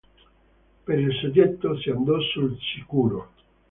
Per il soggetto si andò sul sicuro.